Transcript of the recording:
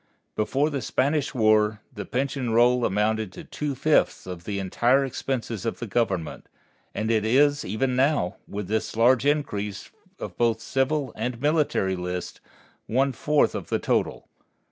Before the Spanish War the pension roll amounted to two fifths of the entire expenses of the Government, and it is even now, with the large increase of both the civil and military list, one fourth of the total.